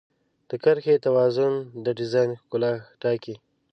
د کرښې توازن د ډیزاین ښکلا ټاکي.